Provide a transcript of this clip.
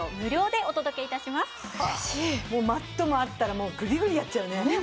マットもあったらもうグリグリやっちゃうね。